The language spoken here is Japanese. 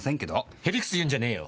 ヘリクツ言うんじゃねーよ。